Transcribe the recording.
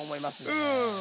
うん。